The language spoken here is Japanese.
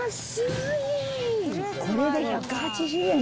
これで１８０円。